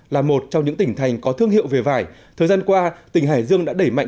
là một trong những tỉnh thành có thương hiệu về vải thời gian qua tỉnh hải dương đã đẩy mạnh